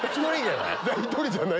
１人じゃない？